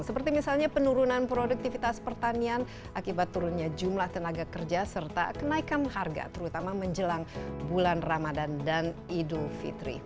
seperti misalnya penurunan produktivitas pertanian akibat turunnya jumlah tenaga kerja serta kenaikan harga terutama menjelang bulan ramadan dan idul fitri